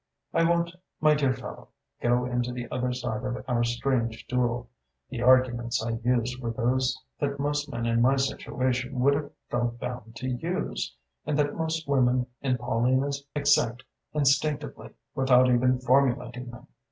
"I won't, my dear fellow, go into the other side of our strange duel: the arguments I used were those that most men in my situation would have felt bound to use, and that most women in Paulina's accept instinctively, without even formulating them.